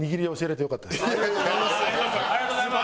ありがとうございます。